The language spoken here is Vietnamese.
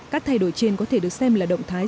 các thay đổi trên có thể được xem là động thái